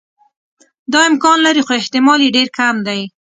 دا امکان لري خو احتمال یې ډېر کم دی.